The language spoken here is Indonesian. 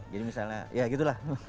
jadi misalnya ya gitu lah